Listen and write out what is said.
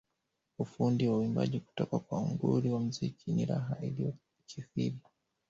Ufundi wa uimbaji kutoka kwa nguli wa muziki ni raha iliyokithiri